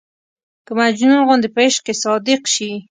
که مجنون غوندې په عشق کې صادق شي.